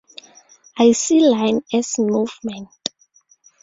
I see line as movement.